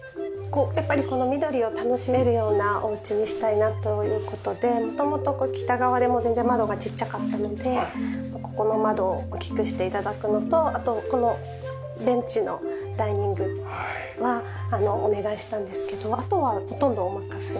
やっぱりこの緑を楽しめるようなお家にしたいなという事で元々北側でもう全然窓がちっちゃかったのでここの窓を大きくして頂くのとあとこのベンチのダイニングはお願いしたんですけどあとはほとんどおまかせに。